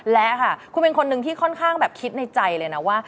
และค่ะคุณเป็นคนหนึ่งที่ค่อนข้างแบบคิดในใจเลยนะว่า